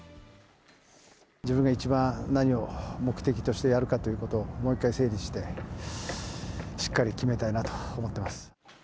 自分が一番、何を目的としてやるかということを、もう一回整理して、しっかり決めたいなと思